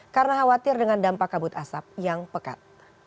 karena khawatir dengan dampak kabut asap yang pekat